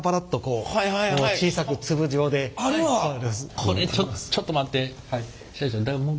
これちょっと待って。